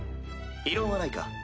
異論はないか？